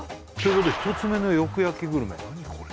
１つ目のよく焼きグルメ何これ？